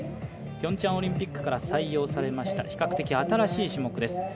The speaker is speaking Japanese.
ピョンチャンオリンピックから採用されました比較的新しい種目です。